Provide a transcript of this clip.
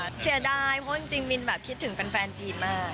เสียดายเพราะจริงมินแบบคิดถึงแฟนจีนมาก